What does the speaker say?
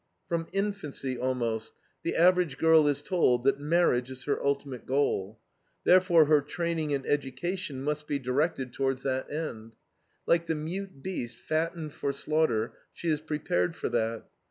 From infancy, almost, the average girl is told that marriage is her ultimate goal; therefore her training and education must be directed towards that end. Like the mute beast fattened for slaughter, she is prepared for that.